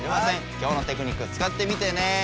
きょうのテクニック使ってみてね。